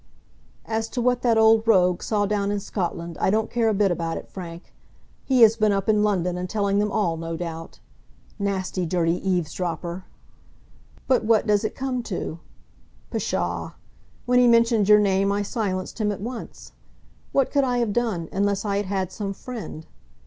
"As to what that old rogue saw down in Scotland, I don't care a bit about it, Frank. He has been up in London, and telling them all, no doubt. Nasty, dirty eavesdropper! But what does it come to? Psha! When he mentioned your name I silenced him at once. What could I have done, unless I had had some friend?